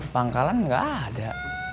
pangkalan gak ada